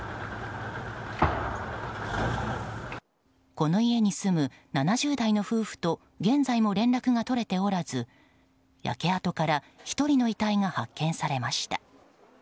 この家に住む７０代の夫婦と現在も連絡が取れておらず焼け跡から１人の遺体が発見されました。